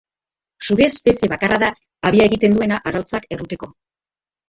Suge-espezie bakarra da habia egiten duena arrautzak erruteko.